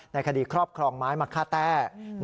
ในคดีครอบครองไม้มะค่าแต้